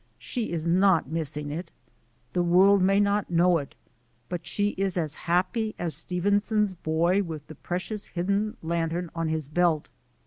She is not missing it. The world may not know it, but she is as happy as Stevenson's boy with the precious hidden lantern on his belt.